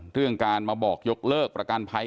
เรื่องการมาบอกยกเลิกประกันภัย